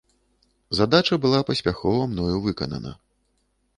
Задача была паспяхова мною выканана.